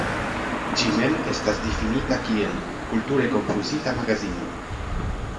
Ĝi mem estas difinita kiel "kulture konfuzita magazino".